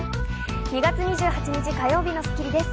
２月２８日、火曜日の『スッキリ』です。